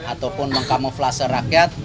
ataupun mengkamuflase rakyat